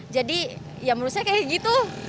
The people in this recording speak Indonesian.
jadi ya menurut saya kayak gitu